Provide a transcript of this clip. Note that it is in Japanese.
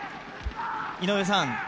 ◆井上さん。